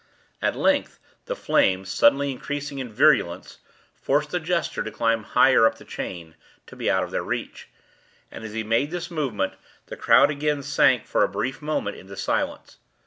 At length the flames, suddenly increasing in virulence, forced the jester to climb higher up the chain, to be out of their reach; and, as he made this movement, the crowd again sank, for a brief instant, into silence.